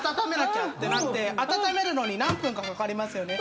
温めるのに何分かかかりますね。